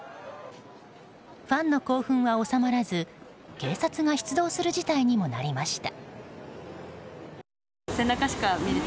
ファンの興奮は収まらず、警察が出動する事態にもなりました。